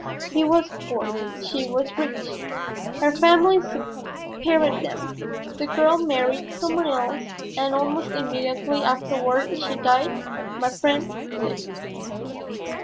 He was poor, she was rich. Her family separated them. The girl married some one else and almost immediately afterward she died. My friend lived.